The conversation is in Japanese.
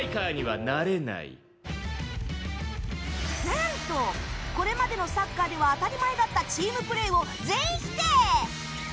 何とこれまでのサッカーでは当たり前だったチームプレーを全否定。